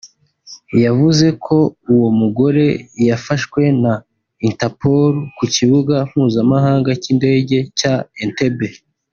yavuze ko uwo mugore yafashwe na Interpol ku Kibuga Mpuzamahanga cy’Indege cya Entebbe